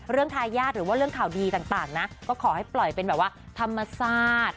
ทายาทหรือว่าเรื่องข่าวดีต่างนะก็ขอให้ปล่อยเป็นแบบว่าธรรมชาติ